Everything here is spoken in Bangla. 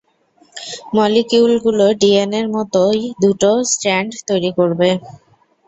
মলিকিউলগুলো ডিএনএ-র মতই দুটো স্ট্র্যান্ড তৈরী করবে।